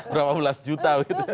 berapa belas juta begitu